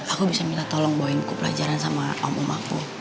aku bisa minta tolong bawain ku pelajaran sama om um aku